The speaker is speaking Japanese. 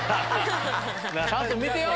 ちゃんと見てよ！